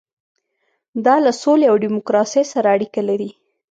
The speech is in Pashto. دا له سولې او ډیموکراسۍ سره اړیکه لري.